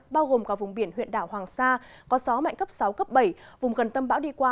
bao gồm cả vùng biển huyện đảo hoàng sa có gió mạnh cấp sáu cấp bảy vùng gần tâm bão đi qua